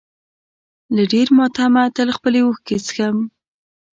له ډېر ماتمه تل خپلې اوښکې څښم.